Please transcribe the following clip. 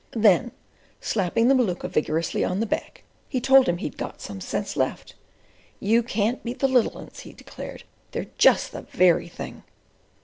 Then, slapping the Maluka vigorously on the back, he told him he'd got some sense left. "You can't beat the little 'uns," he declared. "They're just the very thing."